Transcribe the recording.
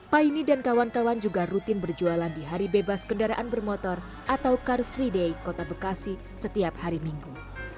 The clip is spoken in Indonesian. paine dan kawan kawan juga rutin berjualan di hari bebas kendaraan bermotor atau car free day kota bekasi setiap hari minggu